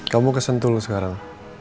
kamu kesentuh sekarang